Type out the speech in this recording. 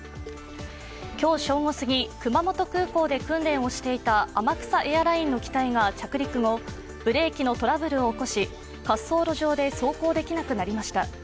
今日正午過ぎ、熊本空港で訓練をしていた天草エアラインの機体が着陸後、ブレーキのトラブルを起こし滑走路上で走行できなくなりました。